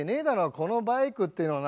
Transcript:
このバイクっていうのはな